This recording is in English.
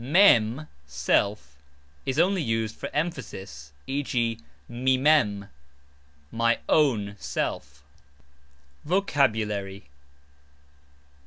"Mem," self, is only used for emphasis, "e.g.", "Mi mem," my (own) self. VOCABULARY.